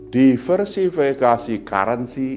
diversifikasi keuangan dan stabilitas sistem keuangan